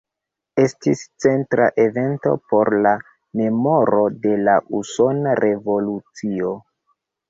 Estis centra evento por la memoro de la Usona Revolucio.